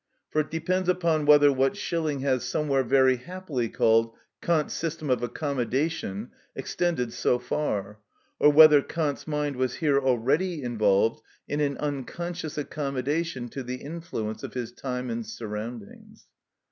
For it depends upon whether what Schelling has somewhere very happily called Kant's system of accommodation extended so far; or whether Kant's mind was here already involved in an unconscious accommodation to the influence of his time and surroundings.